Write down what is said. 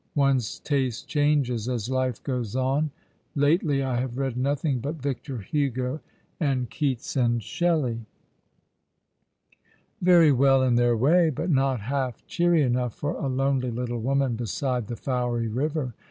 One's taste changes as life goes on. Lately I have read notliing but Victor Hugo, and Keats, and Shelley." " Yery well in their way, but not half cheery enough for a lonely little woman beside the Fowcy river.